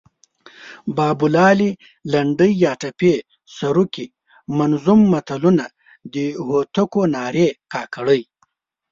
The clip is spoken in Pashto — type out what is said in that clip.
بابولالې، لنډۍ یا ټپې، سروکي، منظوم متلونه، د هوتکو نارې، کاکړۍ